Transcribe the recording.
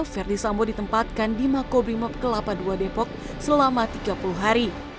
ferdisampo ditempatkan di makobrimob kelapa dua depok selama tiga puluh hari